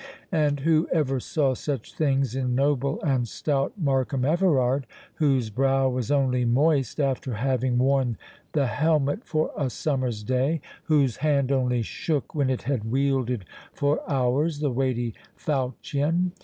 And who ever saw such things in noble and stout Markham Everard, whose brow was only moist after having worn the helmet for a summer's day; whose hand only shook when it had wielded for hours the weighty falchion?